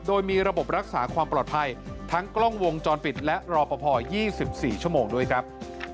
โดยมีระบบรักษาความปลอดภัยทั้งกล้องวงจรปิดและรอปภ๒๔ชั่วโมงด้วยครับ